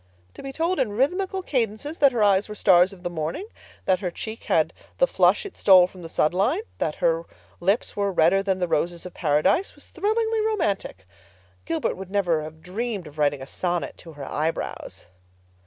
To be told in rhythmical cadences that her eyes were stars of the morning—that her cheek had the flush it stole from the sunrise—that her lips were redder than the roses of Paradise, was thrillingly romantic. Gilbert would never have dreamed of writing a sonnet to her eyebrows.